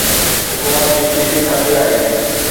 حڪومت جي کيسي خالي آهي.